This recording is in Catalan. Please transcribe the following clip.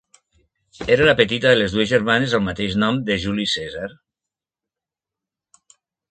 Era la petita de les dues germanes del mateix nom de Juli Cèsar.